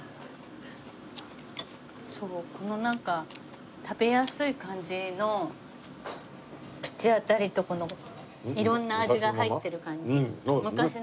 そうこの食べやすい感じの口当たりとこの色んな味が入ってる感じ昔のままです。